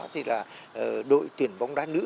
thì là đội tuyển bóng đá nữ